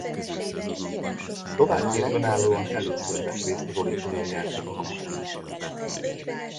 Szlovákia önállóan először vett részt az olimpiai játékokon.